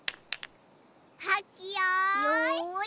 はっけよい。